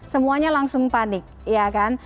semuanya langsung panik ya kan